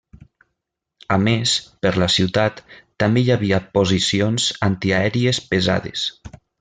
A més, per la ciutat, també hi havia posicions antiaèries pesades.